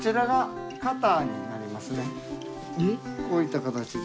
こういった形で。